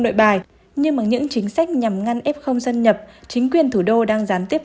nội bài nhưng bằng những chính sách nhằm ngăn f dân nhập chính quyền thủ đô đang gián tiếp